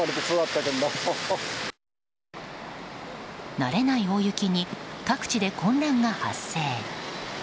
慣れない大雪に各地で混乱が発生。